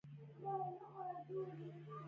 د خپل کار پایلې ټولګیوالو ته بیان کړئ په پښتو ژبه.